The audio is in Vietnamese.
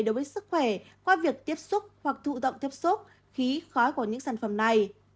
đối với sức khỏe qua việc tiếp xúc hoặc thụ động tiếp xúc khí khói của những sản phẩm này